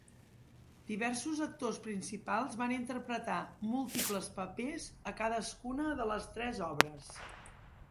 Diversos actors principals van interpretar múltiples papers a cadascuna de les tres obres.